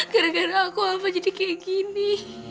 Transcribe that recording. gara gara aku apa jadi kayak gini